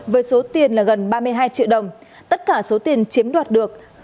với số tiền là gần ba mươi hai triệu đồng tất cả số tiền chiếm đoạt được